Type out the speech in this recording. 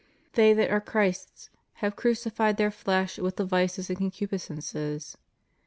They that are Christ's have crucified their flesh with the vices and concupiscences.